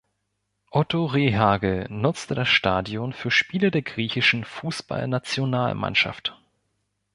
Otto Rehhagel nutzte das Stadion für Spiele der griechischen Fußballnationalmannschaft.